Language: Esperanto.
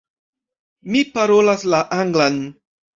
Mi parolas la anglan.